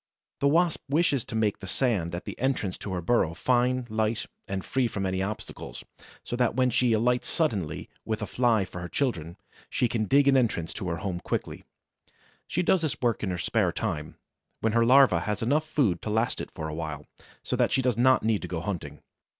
The Wasp wishes to make the sand at the entrance to her burrow fine, light, and free from any obstacle, so that when she alights suddenly with a Fly for her children, she can dig an entrance to her home quickly. She does this work in her spare time, when her larva has enough food to last it for a while, so that she does not need to go hunting.